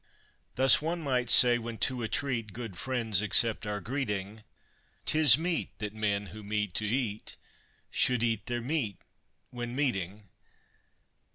Thus, one might say, when to a treat good friends accept our greeting, 'Tis meet that men who meet to eat should eat their meat when meeting.